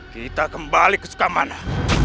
kita kembali ke sukamana